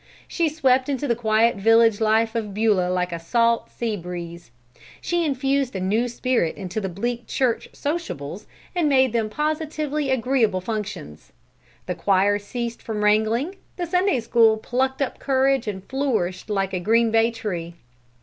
She swept into the quiet village life of Beulah like a salt sea breeze. She infused a new spirit into the bleak church "sociables" and made them positively agreeable functions. The choir ceased from wrangling, the Sunday School plucked up courage and flourished like a green bay tree.